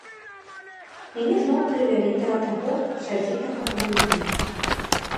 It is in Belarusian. Мяне зноў прывялі да таго сярдзітага камандзіра.